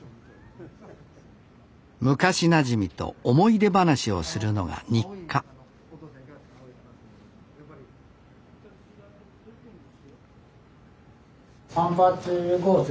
昔なじみと思い出話をするのが日課サンパチ豪雪